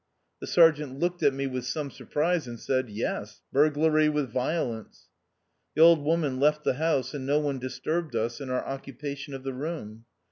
The sergeant looked at me with some surprise and said, " Yes ; burglary with violence." The old woman left the house, and no one disturbed us in our occupation of the room.